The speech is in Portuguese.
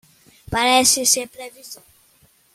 Parece ser previsão